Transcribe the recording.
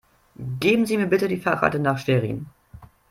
Geben Sie mir bitte die Fahrkarte nach Schwerin